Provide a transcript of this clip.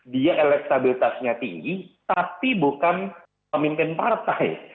dia elektabilitasnya tinggi tapi bukan pemimpin partai